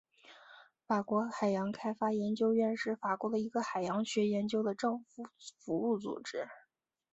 法国海洋开发研究院是法国的一个海洋学研究的政府服务组织。